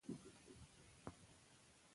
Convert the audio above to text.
د کتاب متن په ساده ژبه لیکل سوی دی.